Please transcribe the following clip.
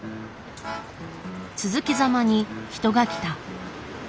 続けざまに人が来た。